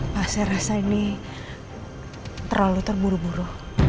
saya rasa ini terlalu terburu buru